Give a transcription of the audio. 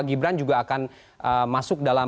gibran juga akan masuk dalam